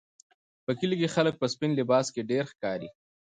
په کلي کې خلک په سپین لباس کې ډېر ښکاري.